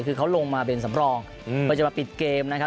คือเขาลงมาเป็นสำรองเพื่อจะมาปิดเกมนะครับ